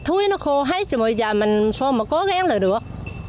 thúi nó khô hết rồi mà giờ mình xô mà cố gắng là được